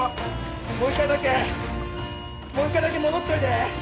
もう一回だけもう一回だけ戻っておいで！